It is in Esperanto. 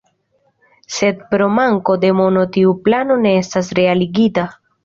Sed pro manko de mono tiu plano ne estis realigita.